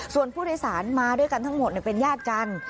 ส่วนผู้โดยสารมาด้วยกันทั้งหมดเป็นญาติกัน